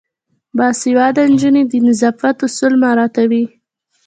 باسواده نجونې د نظافت اصول مراعاتوي.